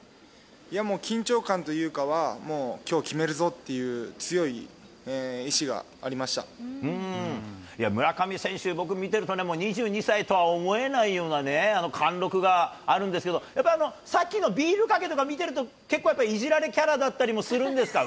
もう緊張感というかは、もうきょう決めるぞっていう、村上選手、僕見てると２２歳とは思えないような、貫禄があるんですけれども、やっぱりさっきのビールかけとか見てると結構やっぱり、いじられキャラだったりもするんですか？